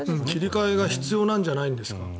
切り替えが必要なんじゃないですか。